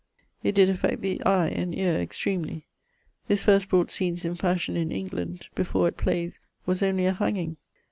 It did affect the eie and eare extremely. This first brought scenes in fashion in England; before, at playes, was only a hanging.